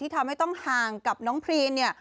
ที่ทำให้ต้องห่างกับน้องพรีน